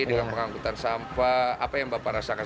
dengan pengangkutan sampah apa yang bapak rasakan